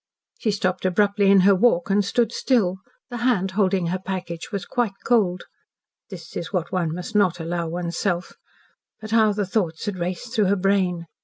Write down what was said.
She stopped abruptly in her walk and stood still. The hand holding her package was quite cold. This was what one must not allow one's self. But how the thoughts had raced through her brain!